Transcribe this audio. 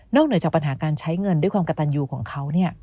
เหนือจากปัญหาการใช้เงินด้วยความกระตันยูของเขา